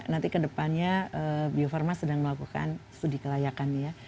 nanti ke depannya biofarma sedang melakukan studi kelayakan ya